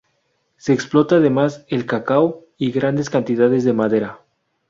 Se explota además el cacao y grandes cantidades de madera.